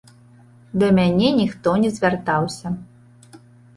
Да мяне ніхто не звяртаўся.